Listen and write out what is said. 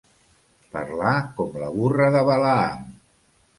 Parlar com la burra de Balaam.